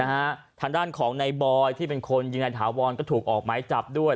ทางด้านของในบอยที่เป็นคนยิงนายถาวรก็ถูกออกไม้จับด้วย